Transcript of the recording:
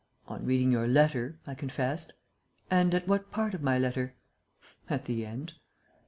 "On reading your letter," I confessed. "And at what part of my letter?" "At the end."